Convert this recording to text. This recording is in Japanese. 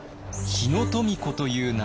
日野富子という名前